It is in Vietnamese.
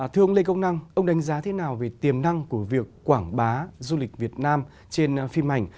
thưa ông lê công năng ông đánh giá thế nào về tiềm năng của việc quảng bá du lịch việt nam trên phim ảnh